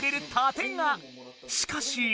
しかし。